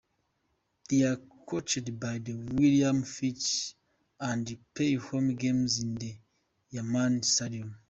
They are coached by Willie Fritz and play home games in Yulman Stadium.